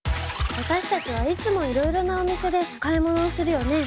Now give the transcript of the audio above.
私たちはいつもいろいろなお店で買い物をするよね。